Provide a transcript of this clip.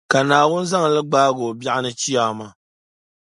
ka Naawuni zaŋ li gbaagi o biɛɣuni Chiyaama.